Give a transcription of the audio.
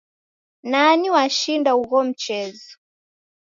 Nani washinda ugho mchezo?